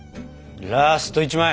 ラスト１枚！